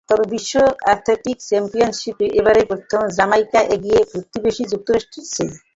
তবে বিশ্ব অ্যাথলেটিকস চ্যাম্পিয়নশিপে এবারই প্রথম জ্যামাইকা এগিয়ে প্রতিবেশী যুক্তরাষ্ট্রের চেয়ে।